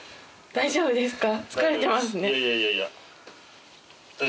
大丈夫ですか？